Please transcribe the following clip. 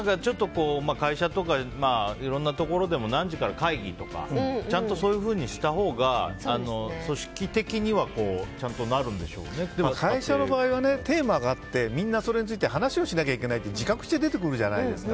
会社とか、いろんなところでも何時から会議とかちゃんと、そうしたほうが組織的にはでも会社の場合はテーマがあってみんな、それについて話をしないといけないって自覚して出てくるじゃないですか。